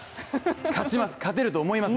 勝ちます、勝てると思います。